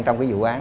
trong cái vụ án